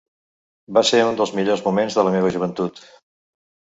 Va ser un dels millors moments de la meva joventut.